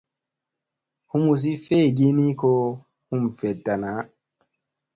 Humusi feegii ni ko hum veɗta naa.